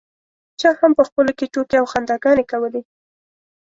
چا هم په خپلو کې ټوکې او خنداګانې کولې.